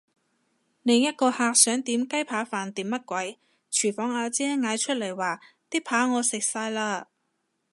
另一個客想點雞扒飯定乜鬼，廚房阿姐嗌出嚟話啲扒我食晒嘞！